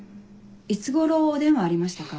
いつ頃お電話ありましたか？